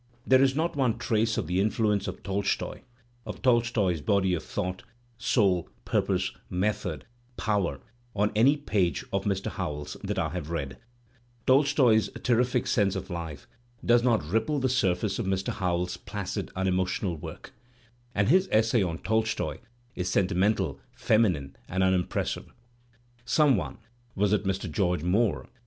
There is not one trace of the influence of . Tolstoy, of Tolstoy's body of thought, soul, purpose, method, ci power, on any page of Mr. Howells that I have read. Tolstoy's terrific sense of life does not ripple the surface of Digitized by Google 282 THE SPIRIT OF AMERICAN LITERATURE Mr. Howells's placid unemotional work. And his essay on Tolstoy is sentimental, feminine and unimpressive. ! Some one (was it Mr. George Moore?)